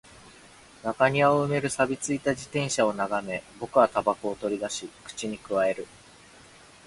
中庭を埋める錆び付いた自転車を眺め、僕は煙草を取り出し、口に咥える